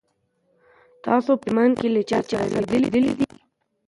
تاسو په هلمند کي له چا سره لیدلي دي؟